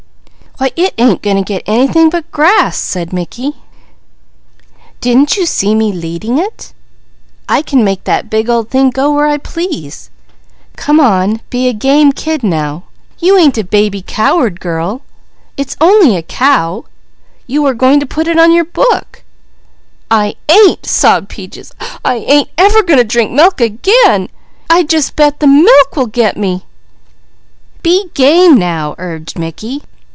"Why it ain't going to get anything but grass!" said Mickey. "Didn't you see me leading it? I can make that big old thing go where I please. Come on, be a game kid now. You ain't a baby coward girl! It's only a cow! You are going to put it on your book!" "I ain't!" sobbed Peaches. "I ain't ever going to drink milk again! I jus' bet the milk will get me!" "Be game now!" urged Mickey.